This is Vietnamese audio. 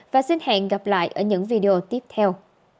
và xin hẹn gặp lại ở những video tiếp theo